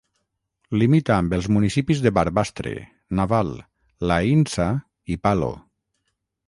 Limita amb els municipis de Barbastre, Naval, l'Aïnsa i Palo.